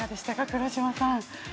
黒島さん。